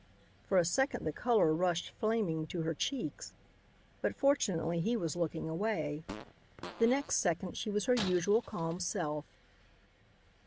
For a second the color rushed flaming to her cheeks. But, fortunately, he was looking away. The next second she was her usual calm self.